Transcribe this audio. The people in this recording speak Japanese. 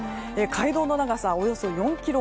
街道の長さはおよそ４ｋｍほど。